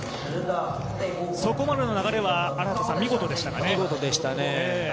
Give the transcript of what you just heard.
そこまでの流れは見事でしたかね。